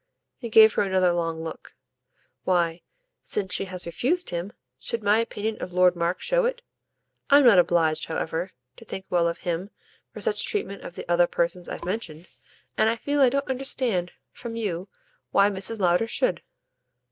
He gave her another long look. "Why, since she has refused him, should my opinion of Lord Mark show it? I'm not obliged, however, to think well of him for such treatment of the other persons I've mentioned, and I feel I don't understand from you why Mrs. Lowder should."